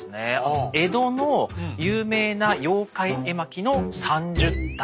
江戸の有名な妖怪絵巻の３０体。